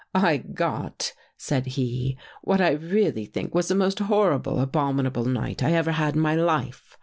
" I got," said he, " what I really think was the most horrible, abominable night I ever had in my life.